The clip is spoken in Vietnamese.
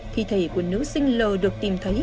thi thể của nữ sinh l được tìm thấy